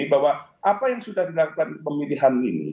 bahwa apa yang sudah dilakukan pemilihan ini